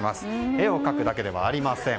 絵を描くだけではありません。